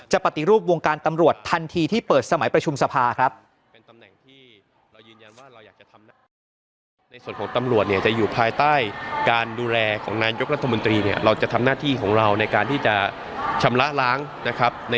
ปฏิรูปวงการตำรวจทันทีที่เปิดสมัยประชุมสภาครับ